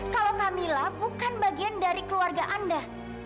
kalau kamila bukan bagian dari keluarga anda